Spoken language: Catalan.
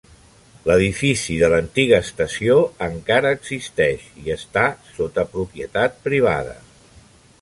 L'edifici de l'antiga estació encara existeix i està sota propietat privada.